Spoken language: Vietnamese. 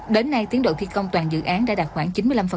đến nay tiến độ thi công toàn dự án đã đạt khoảng chín mươi năm